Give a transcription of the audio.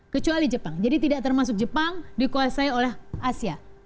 kecuali jepang jadi tidak termasuk jepang dikuasai oleh asia